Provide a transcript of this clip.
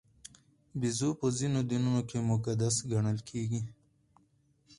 بیزو په ځینو دینونو کې مقدس ګڼل کېږي.